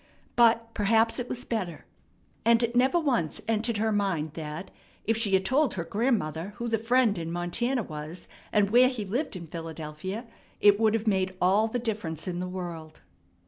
But perhaps it was better. And it never once entered her mind that, if she had told her grandmother who the friend in Montana was, and where he lived in Philadelphia, it would have made all the difference in the world.